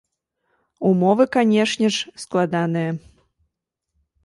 Умовы, канешне ж, складаныя.